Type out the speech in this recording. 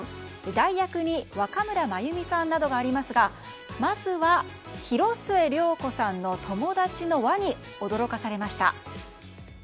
代役に若村麻由美さんなどがありますがまずは、広末涼子さんの友達の輪に驚かされました。